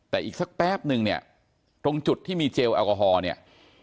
แต่อีกสักแป๊บนึงเนี่ยตรงจุดที่มีเจลแอลกอฮอล์เนี่ย